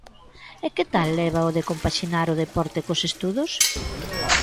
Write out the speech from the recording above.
E que tal leva o de compaxinar o deporte cos estudos?